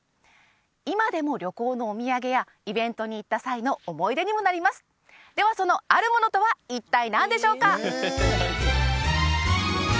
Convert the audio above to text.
今でも旅行のお土産やイベントに行った際の思い出にもなりますではそのあるものとは一体何でしょうか？